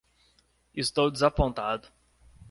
Estou desapontado.